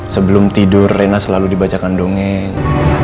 sebelum tidur rena selalu dibacakan dongeng